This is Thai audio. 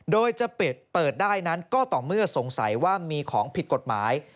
โดยจะเปิดได้นั้นก็ต่อเมื่อสงสัยว่ามีของผิดกฎหมาย